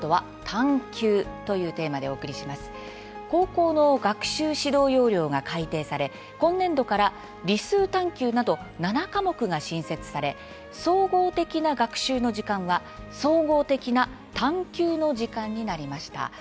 高校の学習指導要領が改訂され今年度から「理数探究」など７科目が新設され「総合的な学習の時間」は「総合的な探究の時間」になりました。